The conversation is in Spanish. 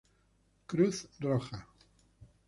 Cruz Roja.